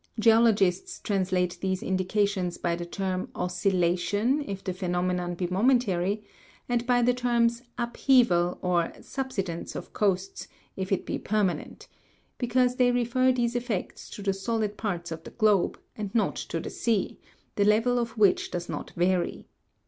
Geologists translate these indications by the term oscillation^ if the phenomenon be mo mentary, and by the terms upheaval, or subsidence of coasts, if it be permanent, because they refer these effects to the solid parts of the globe, and not to the sea, the level of which does not vary.